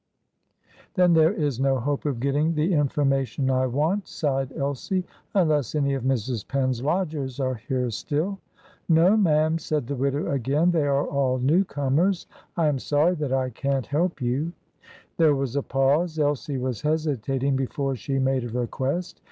"Then there is no hope of getting the information I want," sighed Elsie; "unless any of Mrs. Penn's lodgers are here still." "No, ma'am," said the widow again; "they are all new comers. I am sorry that I can't help you." There was a pause; Elsie was hesitating before she made a request.